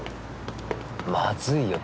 まずいよ。